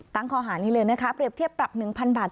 ตั้งข้อหานี้เลยนะคะเปรียบเทียบปรับ๑๐๐บาท